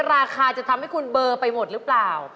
ราคาจะทำให้คุณเบอร์ไปหมดหรือเปล่า